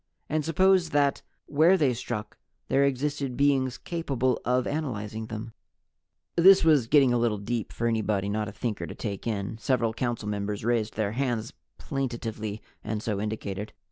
And suppose that where they struck there existed beings capable of analyzing them?" This was getting a little deep for anybody not a Thinker to take in. Several Council members raised their hands plaintively and so indicated.